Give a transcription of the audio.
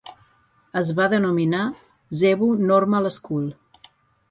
Es va denominar "Cebu Normal School".